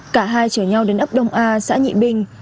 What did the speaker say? cả hai chở nhau đến ấp đông a xã nhị bình